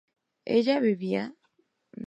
¿ella bebía?